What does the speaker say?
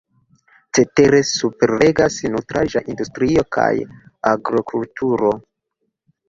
Cetere superregas nutraĵa industrio kaj agrokulturo.